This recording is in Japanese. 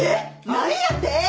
何やて？